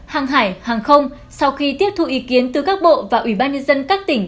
hàng hải hàng không sau khi tiếp thu ý kiến từ các bộ và ủy ban nhân dân các tỉnh